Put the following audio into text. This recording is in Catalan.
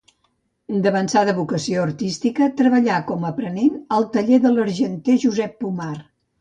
D'avançada vocació artística, treballà com aprenent al taller de l'argenter Josep Pomar.